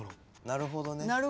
なるほどね。